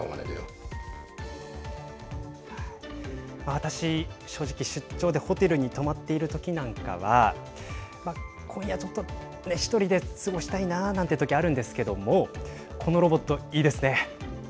私、正直出張でホテルに泊まっているときなんかは今夜はちょっと１人で過ごしたいななんてときもあるんですけどこのロボット、いいですね。